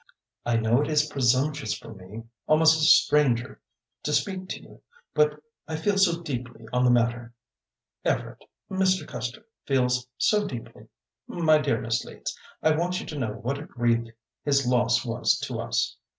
"I know it is presumptuous for me, almost a stranger, to speak to you, but I feel so deeply on the matter Everett Mr. Custer feels so deeply My dear Miss Leeds, I want you to know what a grief his loss was to us.